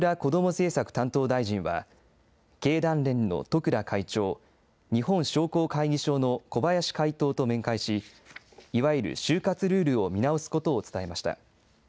政策担当大臣は、経団連の十倉会長、日本商工会議所の小林会頭と面会し、いわゆる就活ルールを見直すことを伝えました。